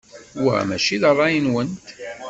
Wa maci d ṛṛay-nwent.